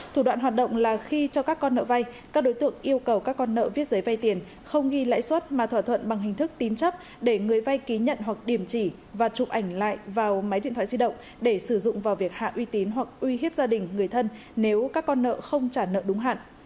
thủ đoạn hoạt động là khi cho các con nợ vay các đối tượng yêu cầu các con nợ viết giấy vay tiền không ghi lãi suất mà thỏa thuận bằng hình thức tín chấp để người vay ký nhận hoặc điểm chỉ và chụp ảnh lại vào máy điện thoại di động để sử dụng vào việc hạ uy tín hoặc uy hiếp gia đình người thân nếu các con nợ không trả nợ đúng hạn